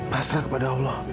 rasalah kepada allah